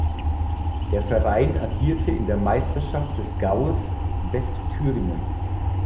Der Verein agierte in der Meisterschaft des Gaues Westthüringen.